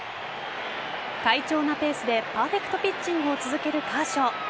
快調なペースでパーフェクトピッチングを続けるカーショー。